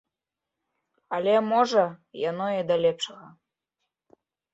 Але, можа, яно і да лепшага.